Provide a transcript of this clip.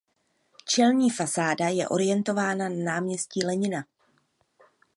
Čelní fasáda je orientována na náměstí Lenina.